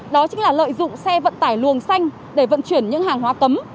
đó chính là lợi dụng xe vận tải luồng xanh để vận chuyển những hàng hóa cấm